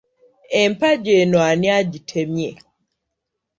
Empagi eno ani agitemye?